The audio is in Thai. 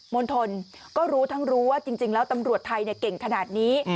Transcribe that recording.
มณฑลก็รู้ทั้งรู้ว่าจริงแล้วตำรวจไทยเก่งขนาดนี้